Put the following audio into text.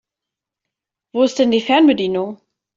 Wo ist denn die Fernbedienung?